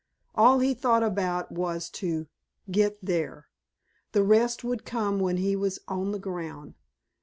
All he thought about was to get there. The rest would come when he was on the ground.